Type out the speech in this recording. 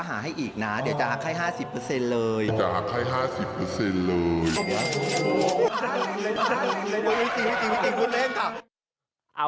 เอาล่ะตาวาวเลยนะ